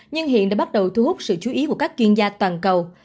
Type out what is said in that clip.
nhưng hiện đã bắt đầu thu hút sự chú ý của các chuyên gia toàn cầu